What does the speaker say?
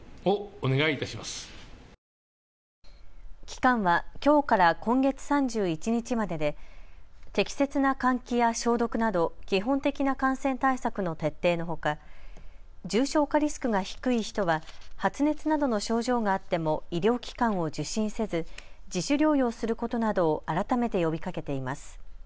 期間は、きょうから今月３１日までで適切な換気や消毒など基本的な感染対策の徹底のほか重症化リスクが低い人は発熱などの症状があっても医療機関を受診せず自主療養することなどを改めて呼びかけています。